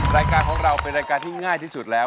รายการของเราเป็นรายการที่ง่ายที่สุดแล้ว